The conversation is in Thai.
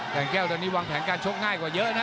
แต่งแก้วตอนนี้วางแผนการชกง่ายกว่าเยอะนะ